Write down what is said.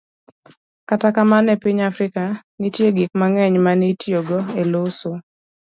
Kata kamano, e piny Afrika, nitie gik mang'eny ma ne itiyogo e loso